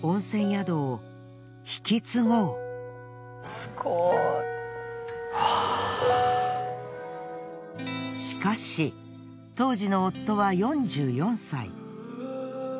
すごい。しかし当時の夫は４４歳。